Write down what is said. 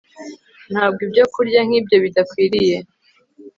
Ntabwo ibyokurya nkibyo bidakwiriye